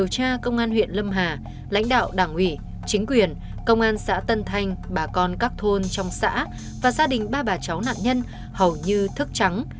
lực lượng hình sự điều tra công an huyện lâm hà lãnh đạo đảng ủy chính quyền công an xã tân thanh bà con các thôn trong xã và gia đình ba bà cháu nạn nhân hầu như thức trắng